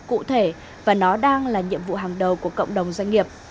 cụ thể và nó đang là nhiệm vụ hàng đầu của cộng đồng doanh nghiệp